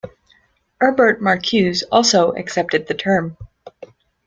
Herbert Marcuse also accepted the term.